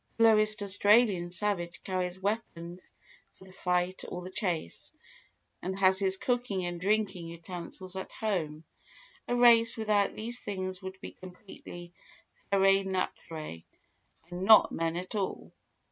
The lowest Australian savage carries weapons for the fight or the chase, and has his cooking and drinking utensils at home; a race without these things would be completely ferae naturae and not men at all.